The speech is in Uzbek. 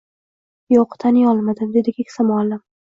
Yoʻq, taniyolmadim dedi keksa muallim.